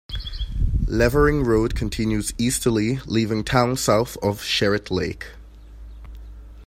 Levering Road continues easterly leaving town south of Sherett Lake.